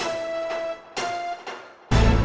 biar kamu di debat langsung